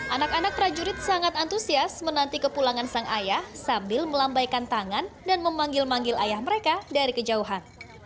anak anak prajurit sangat antusias menanti kepulangan sang ayah sambil melambaikan tangan dan memanggil manggil ayah mereka dari kejauhan